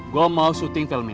gue mau syuting film